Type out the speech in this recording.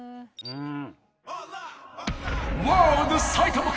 うん。